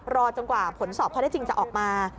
รอจนกว่าผลสอบข้อได้จริงจะออกมา